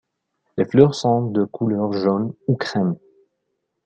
Les fleurs sont de couleur jaune ou crème.